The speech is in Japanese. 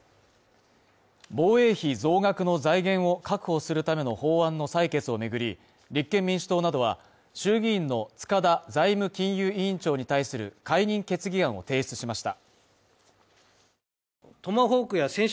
防衛費増額の財源を確保するための法案の採決を巡り、立憲民主党などは、衆議院の塚田財務金融委員長に対する解任決議案を提出しました。